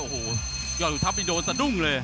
โอ้โหยกถ้าไปโดนจะดุ้งเลย